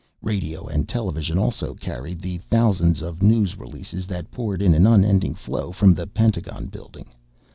Radio and television also carried the thousands of news releases that poured in an unending flow from the Pentagon Building.